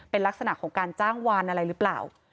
เป็นลักษณะของการจ้างวานอะไรหรือเปล่า